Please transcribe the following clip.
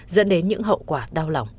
dẫn đến những hậu quả đau lòng